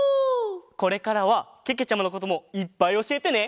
これからはけけちゃまのこともいっぱいおしえてね！